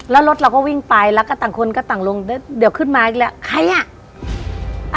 แล้วรถเราก็วิ่งไปแล้วก็ต่างคนก็ต่างลงแล้วเดี๋ยวขึ้นมาอีกแล้วใครอ่ะ